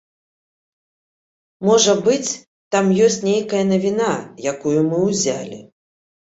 Можа быць, там ёсць нейкая навіна, якую мы ўзялі.